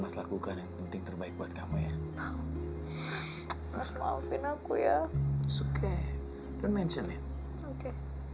mas lakukan yang penting terbaik buat kamu ya mas maafin aku ya suka dan mention ya oke